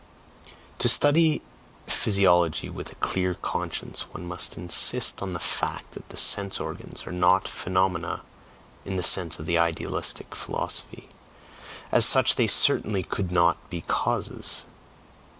To study physiology with a clear conscience, one must insist on the fact that the sense organs are not phenomena in the sense of the idealistic philosophy; as such they certainly could not be causes!